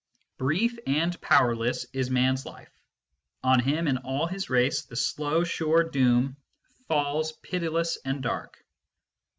Brief and powerless is Man s life ; on him and all his race the slow, sure doom falls pitiless and dark.